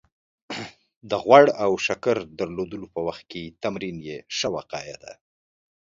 د غوړ او د شکر درلودلو په وخت کې تمرین يې ښه وقايه ده